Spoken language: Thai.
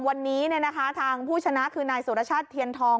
วันนี้ทางผู้ชนะคือนายสุรชาติเทียนทอง